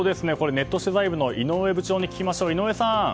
ネット取材部の井上部長に聞きます。